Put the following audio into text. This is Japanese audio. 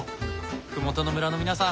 麓の村の皆さん